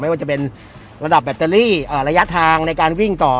ว่าจะเป็นระดับแบตเตอรี่ระยะทางในการวิ่งต่อ